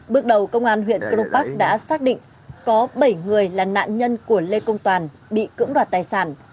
bước đầu công an huyện cron park đã xác định có bảy người là nạn nhân của lê công toàn bị cưỡng đoạt tài sản